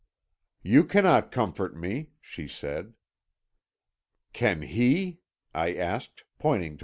"'You cannot comfort me,' she said. "'Can he?' I asked, pointing to M.